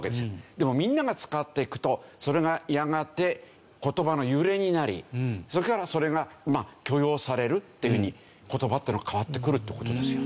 でもみんなが使っていくとそれがやがて言葉の揺れになりそれからそれが許容されるっていうふうに言葉っていうのは変わってくるっていう事ですよ。